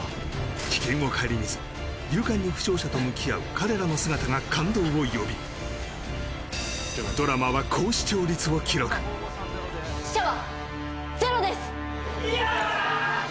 危険を顧みず勇敢に負傷者と向き合う彼らの姿が感動を呼びドラマは高視聴率を記録死者はゼロですやったー！